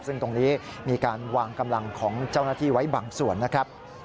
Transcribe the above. ซึ่งตรงนี้มีการวางกำลังของเจ้าหน้าที่ไว้บางส่วนนะครับ